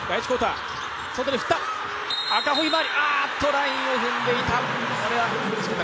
ラインを踏んでいた。